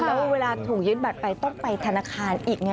แล้วเวลาถูกยึดบัตรไปต้องไปธนาคารอีกไง